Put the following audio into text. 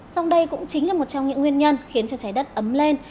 song đây cũng chính là một trong những nguyên nhân khiến cho trái đất ấm lên